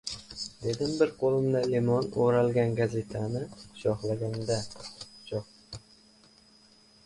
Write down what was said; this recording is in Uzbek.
dedim bir qo‘limda limon o‘ralgan gazetani quchoqlagancha